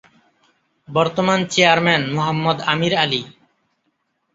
বর্তমান চেয়ারম্যান- মোহাম্মদ আমির আলী